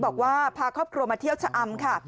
บอกว่าพาครอบครัวมาเที่ยวชะอำค่ะ